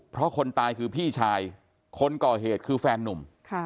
เพราะคนตายคือพี่ชายคนก่อเหตุคือแฟนนุ่ม